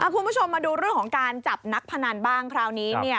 คุณผู้ชมมาดูเรื่องของการจับนักพนันบ้างคราวนี้